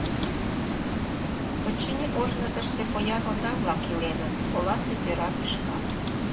— Очыни, ожно тыште поян оза-влак иленыт — оласе тӧра тӱшка.